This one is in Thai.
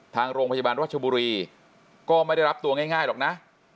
ทางโรงพยาบาลรัชบุรีก็ไม่ได้รับตัวง่ายหรอกนะ